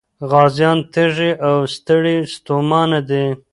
غازيان تږي او ستړي ستومانه دي.